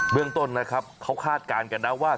เมืองต้นนะครับเขาคาดการณ์กันนะว่า